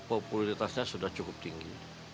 populitasnya sudah cukup tinggi